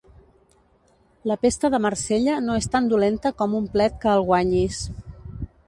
La pesta de Marsella no és tan dolenta com un plet que el guanyis.